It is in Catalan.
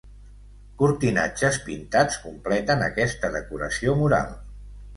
Cortinatges pintats completen aquesta decoració mural.